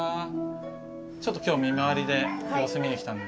ちょっと今日見回りで様子見に来たんで。